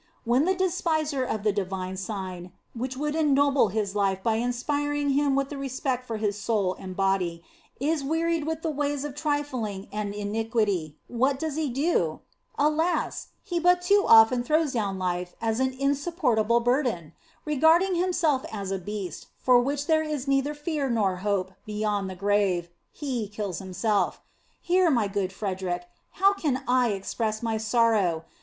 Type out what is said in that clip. When the despiser of the Divine Sign, which would ennoble his life by inspiring him with respect for his soul and body, is wearied with the ways of trifling and iniquity, what does he do ? Alas ! he but too often throws clown life as an insupportable burden. Re garding himself as a beast, for which there is neither fear nor hope beyond the grave, he kills himself. Here, my good Frederic, how can I express to you my sorrow